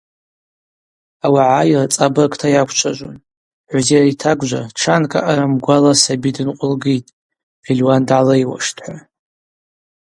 Ауагӏа йырцӏабыргта йаквчважвун: Гӏвзер йтагвжва тшанкӏ аъара мгвала саби дынкъвылгитӏ, пельуан дгӏалриуаштӏ – хӏва.